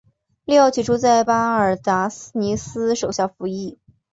利奥起初在巴尔达尼斯手下服役。